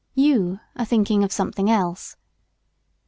You are thinking of something else.